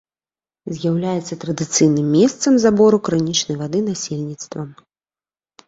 З'яўляецца традыцыйным месцам забору крынічнай вады насельніцтвам.